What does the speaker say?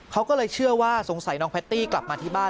เขาก็เลยเชื่อว่าสงสัยน้องแพตตี้กลับมาที่บ้าน